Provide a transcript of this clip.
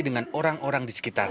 dengan orang orang di sekitar